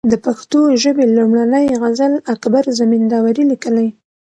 د پښتو ژبي لومړنۍ غزل اکبر زمینداوري ليکلې